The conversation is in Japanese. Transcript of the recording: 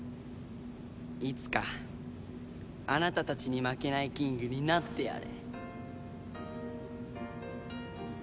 いつかあなたたちに負けないキングになってやる！